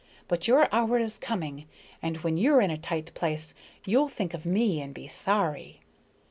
But your hour is coming, and when you're in a tight place you'll think of me and be sorry."